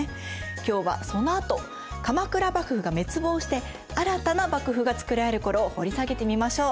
今日はそのあと鎌倉幕府が滅亡して新たな幕府がつくられる頃を掘り下げてみましょう。